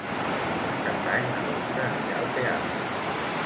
Per Cap d'Any na Dolça anirà al teatre.